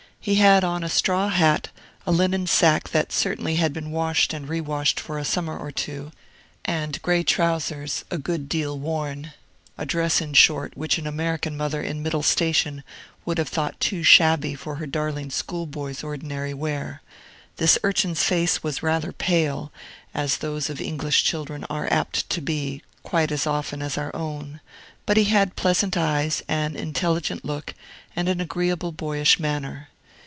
He had on a straw hat, a linen sack that had certainly been washed and re washed for a summer or two, and gray trousers a good deal worn, a dress, in short, which an American mother in middle station would have thought too shabby for her darling school boy's ordinary wear. This urchin's face was rather pale (as those of English children are apt to be, quite as often as our own), but he had pleasant eyes, an intelligent look, and an agreeable, boyish manner.